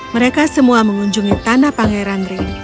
mereka semua mengunjungi tanah pangeran